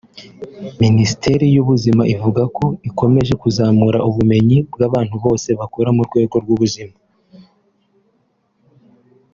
Minisiteri y’ubuzima ivuga ko ikomeje kuzamura ubumenyi bw’abantu bose bakora mu rwego rw’ubuzima